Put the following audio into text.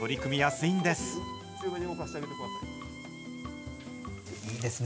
いいですね。